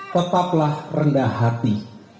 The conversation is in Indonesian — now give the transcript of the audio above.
tetaplah rendah hati